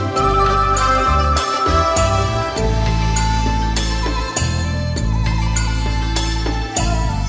โชว์สี่ภาคจากอัลคาซ่าครับ